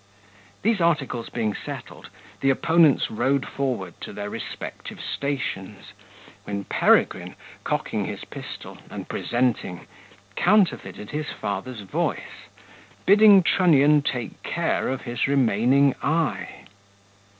These articles being settled, the opponents rode forward to their respective stations, when Peregrine, cocking his pistol, and presenting, counterfeited his father's voice, bidding Trunnion take care of his remaining eye.